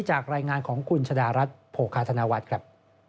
จากรายงานของคุณชนรัฐโผการถนาวัฒน์